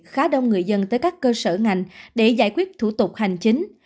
khá đông người dân tới các cơ sở ngành để giải quyết thủ tục hành chính